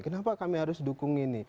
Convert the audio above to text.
kenapa kami harus dukung ini